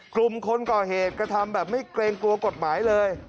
กลุ่มคนก่อเหตุกระทำแบบไม่เกรงกลัวกฎหมายเลย